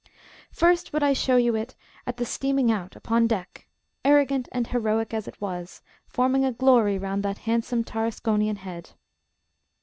First would I show you it at the steaming out, upon deck, arrogant and heroic as it was, forming a glory round that handsome Tarasconian head.